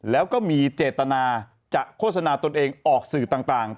แล้วก็มีเจตนาจะโฆษณาตนเองออกสื่อต่าง